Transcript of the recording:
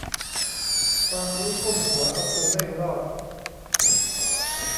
ความรู้ท่วมหัวเอาตัวไม่รอด